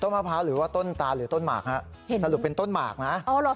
มะพร้าวหรือว่าต้นตาหรือต้นหมากฮะสรุปเป็นต้นหมากนะ